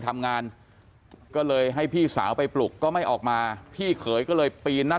ทำงานก็เลยให้พี่สาวไปปลุกก็ไม่ออกมาพี่เขยก็เลยปีนหน้า